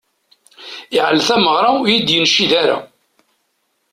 Iɛel tameɣṛa ur iyi-d-yencid ara.